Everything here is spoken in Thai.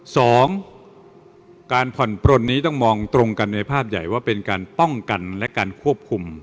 สองการผ่อนปลนนี้ต้องมองตรงกันในภาพใหญ่ว่าเป็นการป้องกันและการควบคุม